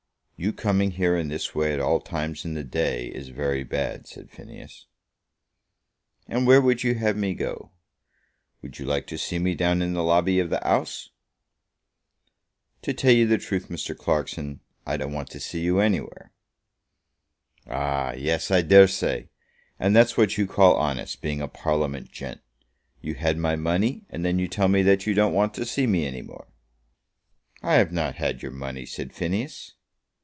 "You coming here in this way at all times in the day is very bad," said Phineas. "And where would you have me go? Would you like to see me down in the lobby of the House?" "To tell you the truth, Mr. Clarkson, I don't want to see you anywhere." "Ah; yes; I daresay! And that's what you call honest, being a Parliament gent! You had my money, and then you tell me you don't want to see me any more!" "I have not had your money," said Phineas.